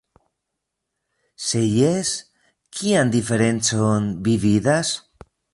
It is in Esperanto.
Se jes, kian diferencon vi vidas?